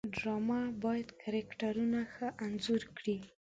ډرامه باید کرکټرونه ښه انځور کړي